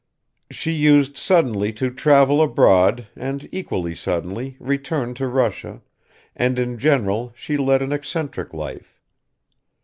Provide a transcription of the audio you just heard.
She used suddenly to travel abroad and equally suddenly return to Russia, and in general she led an eccentric life.